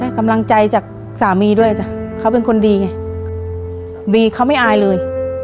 กำลังใจจากสามีด้วยจ้ะเขาเป็นคนดีไงดีเขาไม่อายเลย